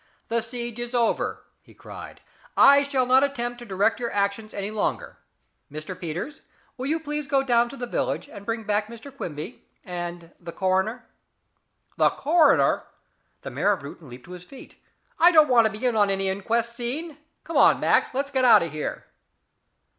"The siege is over," he cried. "I shall not attempt to direct your actions any longer. Mr. Peters, will you please go down to the village and bring back Mr. Quimby and the coroner?" "The coroner!" The mayor of Reuton jumped to his feet. "I don't want to be in on any inquest scene. Come on, Max, let's get out of here."